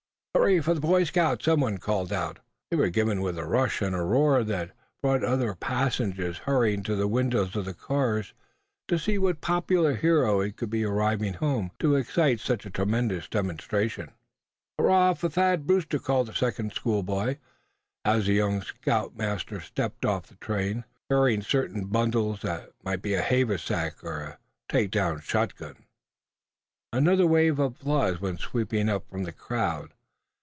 "Hurrah for the Boy Scouts!" some one called out. They were given with a rush and a roar that brought other passengers hurrying to the windows of the cars, to see what popular hero it could be arriving home, to excite such a tremendous demonstration. "Hurrah for Thad Brewster!" called a second school boy, as the young scoutmaster stepped off the train, bearing certain bundles, that might be a haversack and a take down shotgun. Another wave of applause went sweeping up from the crowd.